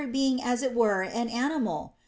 being as it were an animal ?